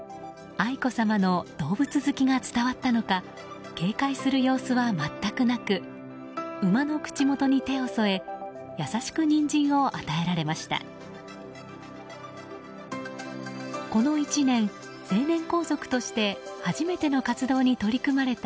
愛子さまの動物好きが伝わったのか警戒する様子は全くなく馬の口元に手を添え優しくニンジンを与えられました。